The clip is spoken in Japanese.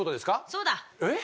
そうだ！えっ！？